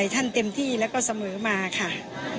ท่านเต็มที่แล้วก็เสมอมาค่ะ